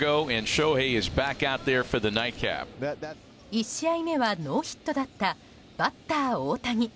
１試合目はノーヒットだったバッター大谷。